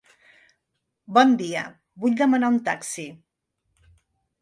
Bon dia, vull demanar un taxi.